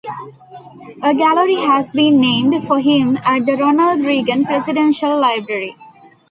A gallery has been named for him at the Ronald Reagan Presidential Library.